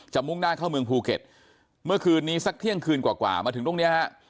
มุ่งหน้าเข้าเมืองภูเก็ตเมื่อคืนนี้สักเที่ยงคืนกว่ามาถึงตรงเนี้ยฮะ